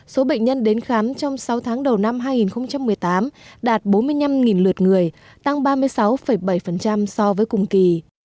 số bệnh nhân đến khám trong sáu tháng đầu năm hai nghìn một mươi tám đạt bốn mươi năm lượt người tăng ba mươi sáu bảy so với cùng kỳ